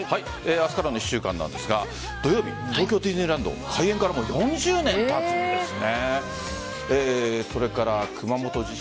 明日からの１週間なんですが土曜日、東京ディズニーランド開園からもう４０年たつんですね。